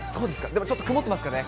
でもちょっと曇ってますかね。